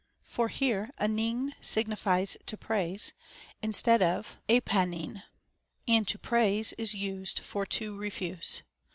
For here αΐνεϊν signifies to praise (instead of htaivtlv), and to praise is used for to refuse.